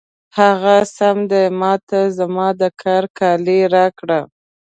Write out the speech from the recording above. هغه سم دی، ما ته زما د کار کالي راکړه.